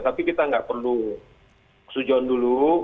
tapi kita nggak perlu sujon dulu